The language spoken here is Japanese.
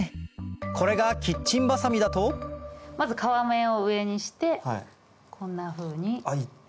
これがキッチンバサミだとまず皮目を上にしてこんなふうに。いった。